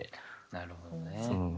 なるほどね。